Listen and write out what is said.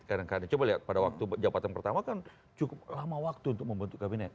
kadang kadang coba lihat pada waktu jabatan pertama kan cukup lama waktu untuk membentuk kabinet